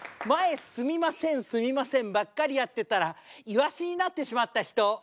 「前すみませんすみませんばっかりやってたらイワシになってしまった人」。